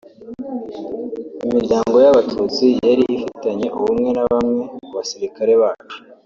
imiryango y’abatutsi yari ifitanye ubumwe na bamwe mu basirikari bacu